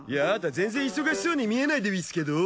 全然忙しそうに見えないでうぃすけど。